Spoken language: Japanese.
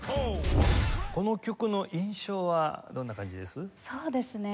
この曲の印象はどんな感じです？